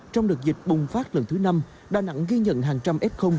trong đợt dịch bùng phát lần thứ năm đà nẵng ghi nhận hàng trăm f